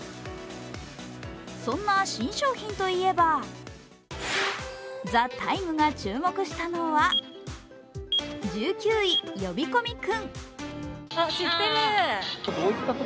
そんな新商品といえば、「ＴＨＥＴＩＭＥ，」が注目したのは１９位、呼び込み君。